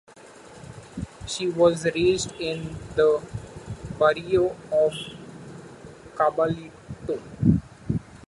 She was raised in the "barrio" of Caballito.